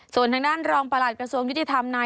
ส่วนทางด้านรองประหลัดกระทรวงยุติธรรมนาย